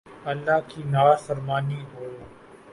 ، اللہ کی نافرمانی ہو